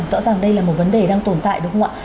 rõ ràng đây là một vấn đề đang tồn tại đúng không ạ